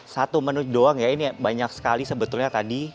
satu menu doang ya ini banyak sekali sebetulnya tadi